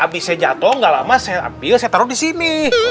abis saya jatoh gak lama saya ambil saya taruh disini